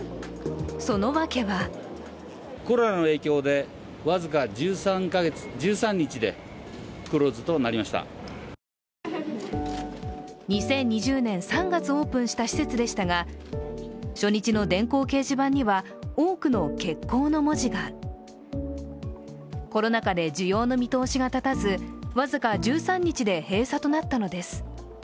その訳は２０２０年３月オープンした施設でしたが、初日の電光掲示板には多くの欠航の文字がコロナ禍で需要の見通しが立たず僅か１３日で閉鎖となったのです。